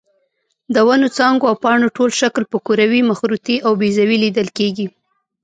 د ونو څانګو او پاڼو ټول شکل په کروي، مخروطي او بیضوي لیدل کېږي.